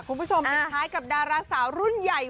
คุณผู้ชมปิดท้ายกับดาราสาวรุ่นใหญ่